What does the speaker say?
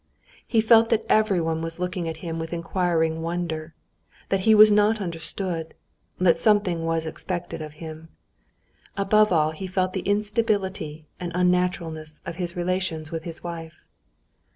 He felt that everyone was looking at him with inquiring wonder, that he was not understood, and that something was expected of him. Above all, he felt the instability and unnaturalness of his relations with his wife.